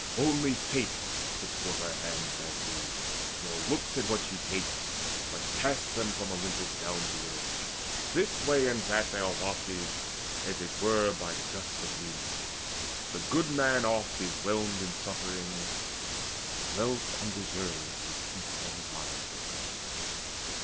Only Fate puts forth Her hands thereto, nor looks at what she takes, But casts them from Olympus down to earth. This way and that they are wafted, as it were By gusts of wind. The good man oft is whelmed In suffering: wealth undeserved is heaped On the vile person.